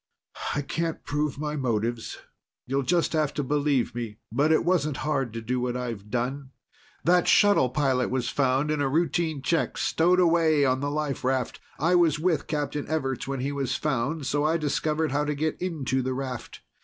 "I can't prove my motives. You'll just have to believe me. But it wasn't hard to do what I've done. That shuttle pilot was found in a routine check, stowed away on the life raft. I was with Captain Everts when he was found, so I discovered how to get into the raft.